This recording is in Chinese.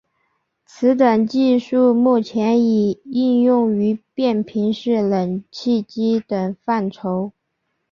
此等技术目前已应用于变频式冷气机等范畴。